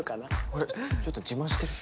あれちょっと自慢してる？